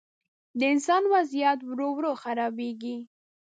د انسان وضعیت ورو، ورو خرابېږي.